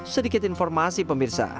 sedikit informasi pemirsa